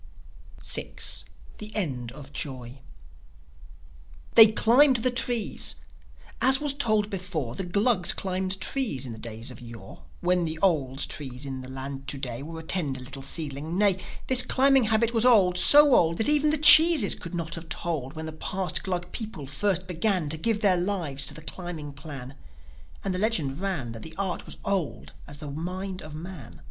VI. THE END OF JOI They climbed the trees ... As was told before, The Glugs climbed trees in the days of yore, When the oldes tree in the land to day Was a tender little seedling Nay, This climbing habit was old, so old That even the cheeses could not have told When the past Glug people first began To give their lives to the climbing plan. And the legend ran That the art was old as the mind of man.